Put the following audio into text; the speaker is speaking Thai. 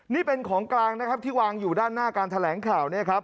นี่เป็นของกลางนะครับที่วางอยู่ด้านหน้าการแถลงข่าวเนี่ยครับ